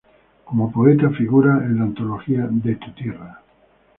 Como poeta figura en la antología "De tu tierra.